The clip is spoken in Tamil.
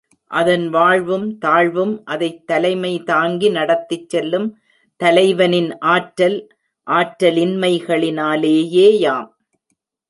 அதன் வாழ்வும் தாழ்வும், அதைத் தலைமை தாங்கி நடத்திச் செல்லும் தலைவனின் ஆற்றல் ஆற்றலின்மைகளினாலேயேயாம்.